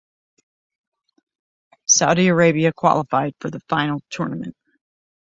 Saudi Arabia qualified for the final tournament.